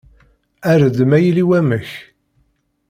Err-d ma yili wamek.